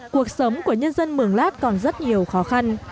cuộc sống của nhân dân mường lát còn rất nhiều khó khăn